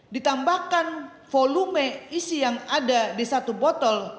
ditambahkan volume isi yang ada di satu botol